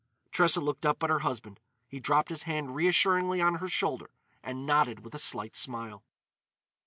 Tressa looked up at her husband. He dropped his hand reassuringly on her shoulder and nodded with a slight smile.